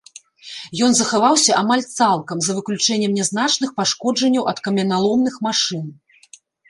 Ён захаваўся амаль цалкам, за выключэннем нязначных пашкоджанняў ад каменяломных машын.